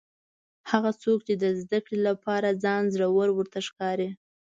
هغه څوک چې د زده کړې لپاره ځان زوړ ورته ښکاري.